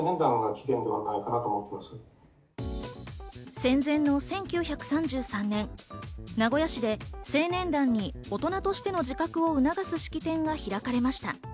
戦前の１９３３年、名古屋市で青年団に大人としての自覚を促す式典が開かれました。